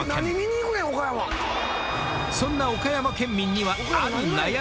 ［そんな岡山県民には］